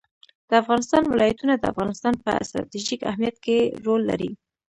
د افغانستان ولايتونه د افغانستان په ستراتیژیک اهمیت کې رول لري.